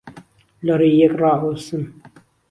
لە ڕێی یەک ڕائەوەسن